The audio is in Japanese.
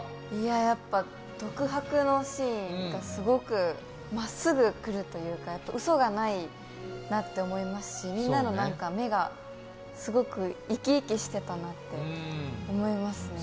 やっぱ独白のシーンがすごくまっすぐくるというかうそがないなって思いますし、みんなの目がすごく生き生きしてたなと思いますね。